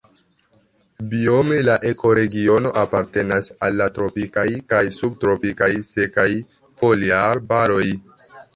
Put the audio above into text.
Biome la ekoregiono apartenas al la tropikaj kaj subtropikaj sekaj foliarbaroj.